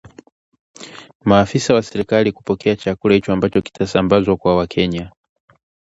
maafisa wa Serikali kupokea chakula hicho ambacho kitasambazwa kwa Wakenya